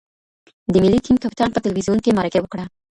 د ملي ټیم کپتان په تلویزیون کې مرکه وکړه.